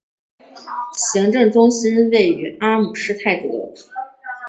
行政中心位于阿姆施泰滕。